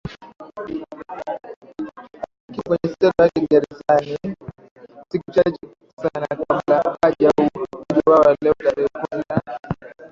akiwa kwenye selo yake gerezani siku chache sana kabla hajauwawa Leo tarehe kumi na